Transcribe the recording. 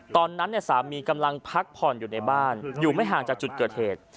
ตอนนั้นสามีกำลังพักผ่อนอยู่ในบ้านอยู่ไม่ห่างจากจุดเกิดเหตุ